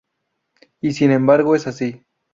Y sin embargo es así.